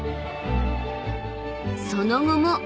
［その後も］